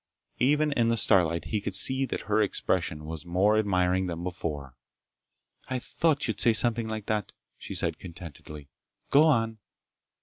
Even in the starlight he could see that her expression was more admiring than before. "I thought you'd say something like that!" she said contentedly. "Go on!"